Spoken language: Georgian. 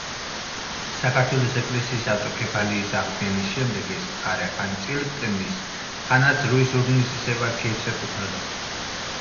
საქართველოს ეკლესიის ავტოკეფალიის აღდგენის შემდეგ, ეს მხარე ხან წილკნის, ხანაც რუის-ურბნისის ეპარქიებს ეკუთვნოდა.